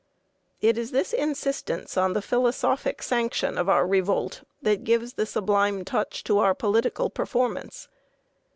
It is this insistence on the philosophic sanction of our revolt that gives the sublime touch to our political performance.